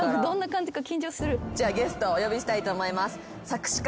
じゃあゲストお呼びしたいと思います。